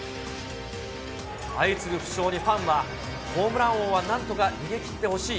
相次ぐ負傷にファンは、ホームラン王はなんとか逃げ切ってほしい。